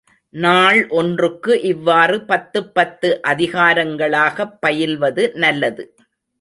நாள் ஒன்றுக்கு இவ்வாறு பத்துப் பத்து அதிகாரங்களாகப் பயில்வது நல்லது.